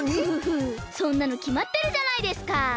フフフそんなのきまってるじゃないですか！